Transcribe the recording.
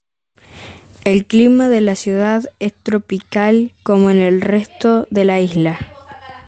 El clima de la ciudad es tropical como en el resto de la isla.